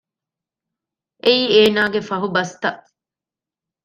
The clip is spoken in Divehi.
އެއީ އޭނާގެ ފަހުބަސްތައް